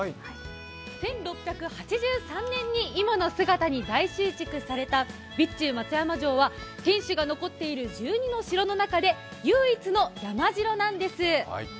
１６８３年に今の姿に大修築された備中松山城は天守が残っている１２の城の中で唯一の山城なんです。